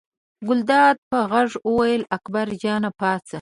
ګلداد په غږ وویل اکبر جانه پاڅه.